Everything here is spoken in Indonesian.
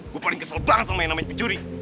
gue paling kesel banget sama yang namanya pencuri